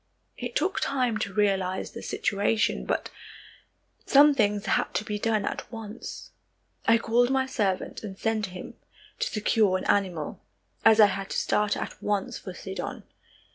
It took time to realize the situation but some things had to be done at once. I called my servant and sent him to secure an animal, as I had to start at once for Sidon.